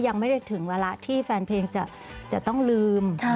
ยังไม่ได้ถึงเวลาที่แฟนเพลงจะต้องลืม